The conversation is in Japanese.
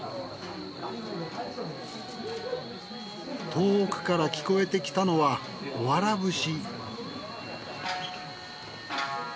遠くから聞こえてきたのはおわら節。